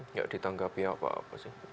nggak ditanggapi apa apa sih